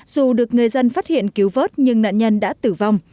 dù được người dân phát hiện cứu vớt nhưng nạn nhân đã tử vong